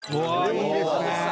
いいですね。